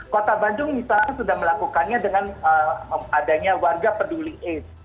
kota bandung misalnya sudah melakukannya dengan adanya warga peduli aids